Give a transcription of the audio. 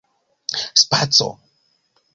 spaco